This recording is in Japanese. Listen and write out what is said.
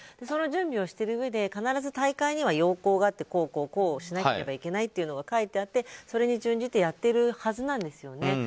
その準備をしているうえで必ず大会には要項があってこうしなければいけないというのが書いてあってそれに準じてやっているはずなんですよね。